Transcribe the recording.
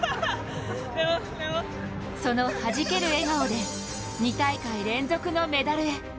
そのはじける笑顔で２大会連続のメダルへ。